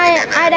ai ai ai đe dọa